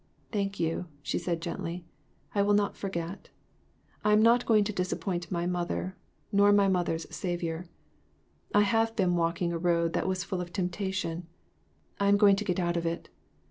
" Thank you," she said, gently; "I will not forget. I am not going to disappoint my mother, nor my mother's Saviour. I have been walking a road that was full of temptation ; I am going to get out of it.